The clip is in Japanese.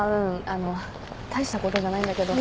あの大した事じゃないんだけど。